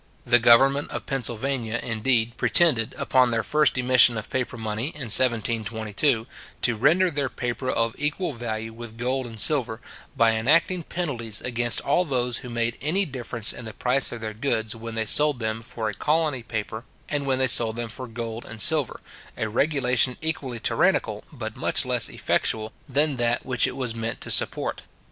The government of Pennsylvania, indeed, pretended, upon their first emission of paper money, in 1722, to render their paper of equal value with gold and silver, by enacting penalties against all those who made any difference in the price of their goods when they sold them for a colony paper, and when they sold them for gold and silver, a regulation equally tyrannical, but much less, effectual, than that which it was meant to support.